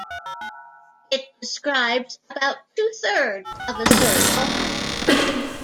It describes about two-thirds of a circle.